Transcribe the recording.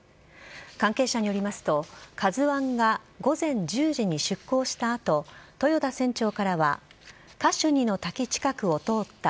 関係者によりますと「ＫＡＺＵ１」が午前１０時に出港した後豊田船長からはカシュニの滝近くを通った。